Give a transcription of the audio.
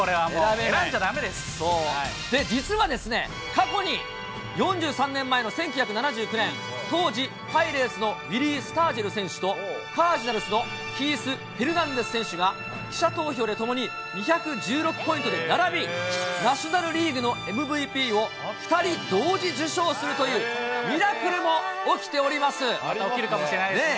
実はですね、過去に４３年前の１９７９年、当時パイレーツのウィリー・スタージェル選手と、カージナルスのキース・ヘルナンデス選手が、記者投票でともに２１６ポイントで並び、ナショナルリーグのＭＶＰを２人同時受賞するという、起きるかもしれないですね。